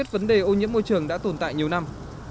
vấn đề ô nhiễm môi trường đã tồn tại nhiều năm